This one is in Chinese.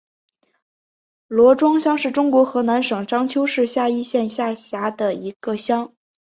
罗庄乡是中国河南省商丘市夏邑县下辖的一个乡。